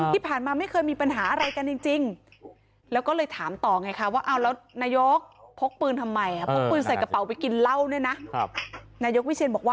ที่ผ่านมาไม่เคยมีปัญหาอะไรกันจริง